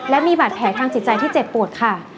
และมีบาดแผลทางจิตใจที่เจ็บปวดค่ะ